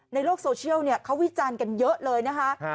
ในโลกโซเชียลเขาวิจารณ์กันเยอะเลยนะคะ